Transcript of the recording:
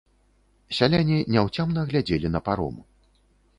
Сяляне няўцямна глядзелі на паром.